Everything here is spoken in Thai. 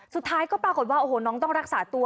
สุดท้ายก็ปรากฏว่าโอ้โหน้องต้องรักษาตัว